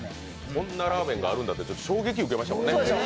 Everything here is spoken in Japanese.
こんなラーメンがあるんだって衝撃受けましたもんね。